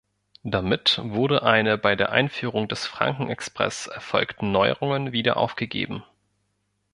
Damit wurde eine der bei der Einführung des Franken-Express erfolgten Neuerungen wieder aufgegeben.